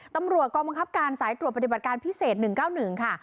ตำรวจกองบังคับการสายตรวจปฏิบัติการพิเศษ๑๙๑ค่ะ